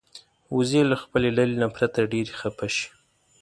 وزې له خپلې ډلې نه پرته ډېرې خپه شي